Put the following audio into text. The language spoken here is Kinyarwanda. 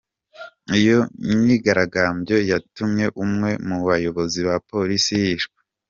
Iyo myigaragambyo yatumye umwe mu bayobozi ba Polisi yicwa.